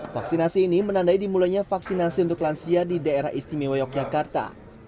vaksinasi ini menandai dimulainya vaksinasi untuk lansia di daerah istimewa yogyakarta